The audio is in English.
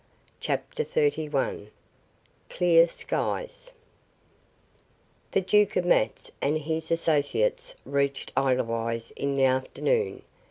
CHAPTER XXXI CLEAR SKIES The Duke of Matz and his associates reached Edelweiss in the afternoon.